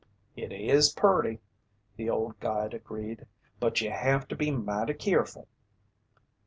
"It is purty," the old guide agreed. "But you have to be mighty keerful."